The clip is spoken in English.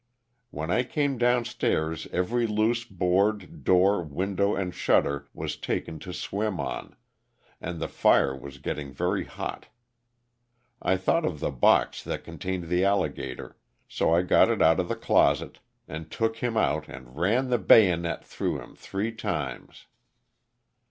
When I came down stairs every loose board, door, window and shutter was taken to swim on, and the fire was getting very hot. I thought of the box that con tained the alligator, so I got it out of the closet and took him out and ran the bayonet through him three times.